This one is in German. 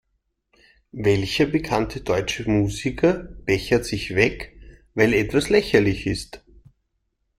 Welcher bekannte deutsche Musiker bechert sich weg, weil etwas lächerlich ist?